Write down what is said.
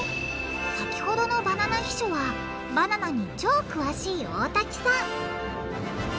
先ほどのバナナ秘書はバナナに超詳しい大滝さん